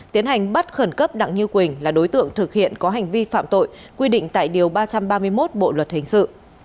tiến hành bắt khẩn cấp đặng như quỳnh là đối tượng thực hiện có hành vi phạm tội quy định tại điều ba trăm ba mươi một bộ luật hình sự